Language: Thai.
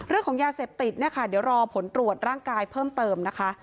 เรื่องของยาเสพติดเนี่ยค่ะเดี๋ยวรอผลตรวจร่างกายเพิ่มเติมนะคะ